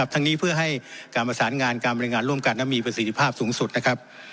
ทั้งนี้เพื่อให้การประสานงานการบริหารงานร่วมกันนั้นมีประสิทธิภาพสูงสุดนะครับ